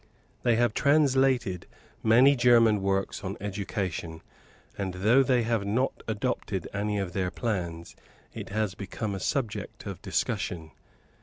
They have translated many German works on education; and though they have not adopted any of their plans, it has become a subject of discussion.